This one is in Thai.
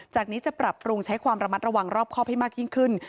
จากนี้จะปรับปรุงใช้ความระมัดระวังรอบครอบให้มากยิ่งขึ้น